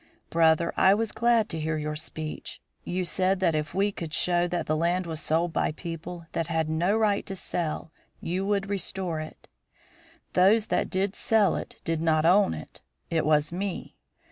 "Brother, I was glad to hear your speech. You said that if we could show that the land was sold by people that had no right to sell, you would restore it. Those that did sell it did not own it. It was me.